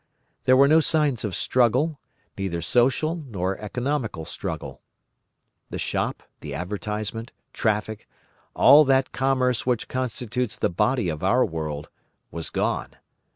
There were no signs of struggle, neither social nor economical struggle. The shop, the advertisement, traffic, all that commerce which constitutes the body of our world, was gone.